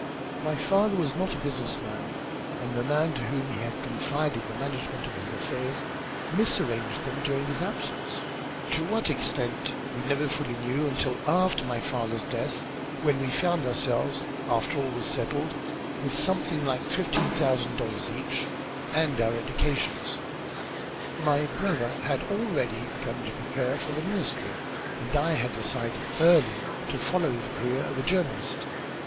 My father was not a business man, and the man to whom he had confided the management of his affairs misarranged them during his absence, to what extent we never fully knew until after my father's death, when we found ourselves, after all was settled, with something like fifteen thousand dollars each, and our educations. My brother had already begun to prepare for the ministry, and I had decided early to follow the career of a journalist."